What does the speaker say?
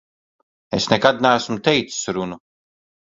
Es nekad neesmu teicis runu.